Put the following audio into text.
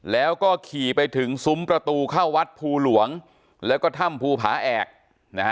แล้วก็ขี่ไปถึงซุ้มประตูเข้าวัดภูหลวงแล้วก็ถ้ำภูผาแอกนะฮะ